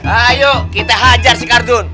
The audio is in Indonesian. ayo kita hajar si kardun